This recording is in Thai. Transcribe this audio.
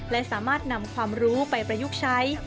และสามารถนำความรู้ไปประยุกต์ใช้